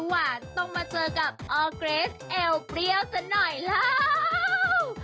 หวานต้องมาเจอกับออร์เกรสเอวเปรี้ยวสักหน่อยแล้ว